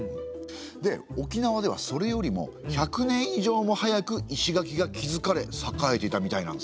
で沖縄ではそれよりも１００年以上も早く石垣が築かれ栄えていたみたいなんですよ。